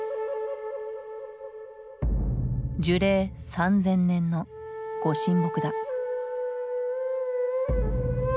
樹齢３，０００年の御神木だ。